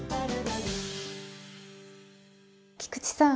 菊池さん